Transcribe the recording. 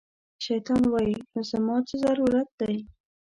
شیطان وایي، نو زما څه ضرورت دی